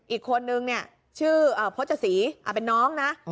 อีกคนนึงเนี่ยชื่อพจศรีเป็นน้องนะ